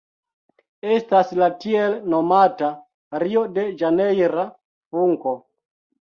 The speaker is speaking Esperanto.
Estas la tiel nomata Rio-de-Ĵanejra Funko.